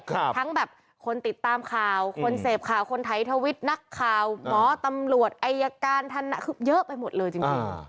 ทั้งแบบคนติดตามข่าวคนเสพข่าวคนไทยทวิตนักข่าวหมอตำรวจอายการท่านคือเยอะไปหมดเลยจริงจริง